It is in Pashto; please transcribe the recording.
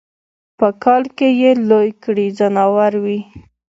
په کاله کی یې لوی کړي ځناور وي